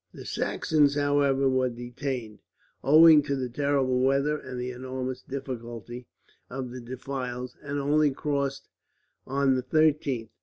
The Saxons, however, were detained, owing to the terrible weather and the enormous difficulty of the defiles, and only crossed on the 13th.